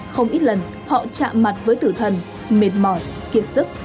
không ít lần họ chạm mặt với tử thần mệt mỏi kiệt sức